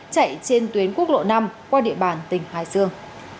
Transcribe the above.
chạy trên tuyến quốc lộ năm qua địa bàn tỉnh hải dương